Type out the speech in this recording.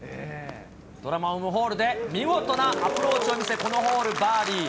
ドラマを生むホールで見事なアプローチを見せ、このホールバーディー。